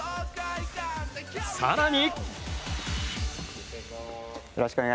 更に。